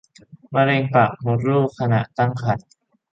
มะเร็งปากมดลูกขณะตั้งครรภ์